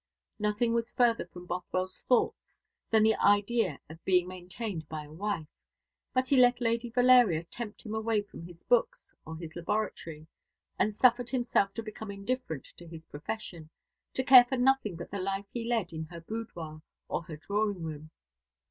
Nothing was further from Bothwell's thoughts than the idea of being maintained by a wife; but he let Lady Valeria tempt him away from his books or his laboratory, and suffered himself to become indifferent to his profession, to care for nothing but the life he led in her boudoir or her drawing room.